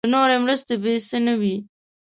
د نورو مرستې بې څه نه وي.